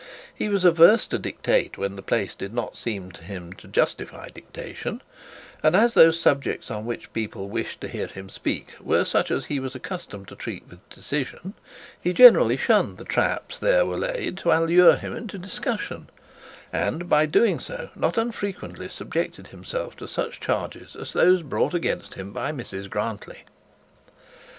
He was averse to dictate when the place did not seem to him to justify dictation; and as those subjects on which people wished to hear him speak were such as he was accustomed to treat with decision, he generally shunned the traps there were laid to allure him into discussion, and, by doing so, not unfrequently subjected himself to such charges as those brought against him by Mrs Grantly.